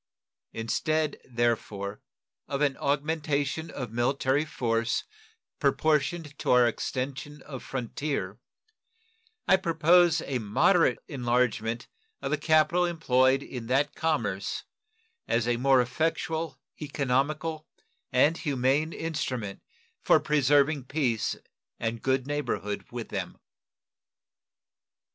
Instead, therefore, of an augmentation of military force proportioned to our extension of frontier, I propose a moderate enlargement of the capital employed in that commerce as a more effectual, economical, and humane instrument for preserving peace and good neighborhood with them.